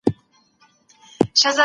موږ به د حقایقو په لټه کي یو.